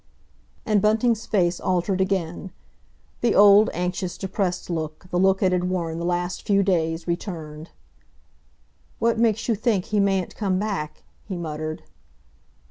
And Bunting's face altered again; the old, anxious, depressed look, the look it had worn the last few days, returned. "What makes you think he mayn't come back?" he muttered.